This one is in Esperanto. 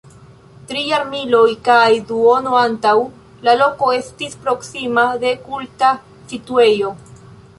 Tri jarmiloj kaj duono antaŭ, la loko estis proksima de kulta situejo.